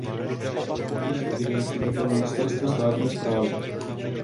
Jejich evidenci vedlo ministerstvo státní správy.